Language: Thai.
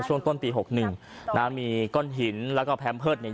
ช่วงต้นปีหกหนึ่งนะมีก้อนหินแล้วก็แพมเพิร์ตเนี่ย